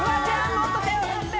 もっと手を振って！